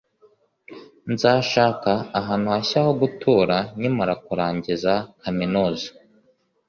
Nzashaka ahantu hashya ho gutura nkimara kurangiza kaminuza.